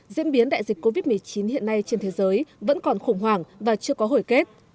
diễn biến đại dịch covid một mươi chín hiện nay trên thế giới vẫn còn khủng hoảng và chưa có hồi kết